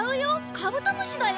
カブトムシだよ。